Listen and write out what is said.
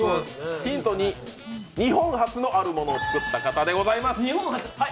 ヒント２、日本初のあるものを作った方でございます。